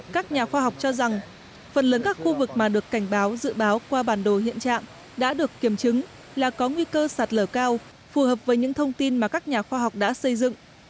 các nhà khoa học cho rằng phần lớn các khu vực mà được cảnh báo dự báo qua bản đồ hiện trạng đã được kiểm chứng là có nguy cơ sạt lở cao phù hợp với những thông tin mà các nhà khoa học đã xây dựng